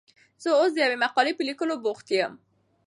زه اوس د یوې مقالې په لیکلو بوخت یم.